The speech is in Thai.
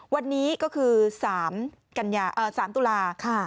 วันนี้ก็คือ๓ตุลา